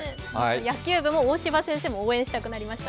野球部も大柴先生も応援したくなりました。